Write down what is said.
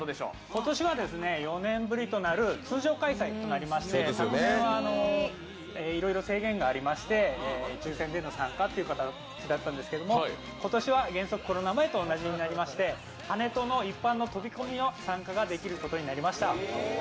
今年は４年ぶりとなる通常開催となりまして、昨年はいろいろ制限がありまして抽選での参加という形だったんですけど、今年は原則コロナ前と同じになりまして、跳人の一般の飛び込みの参加ができることになりました。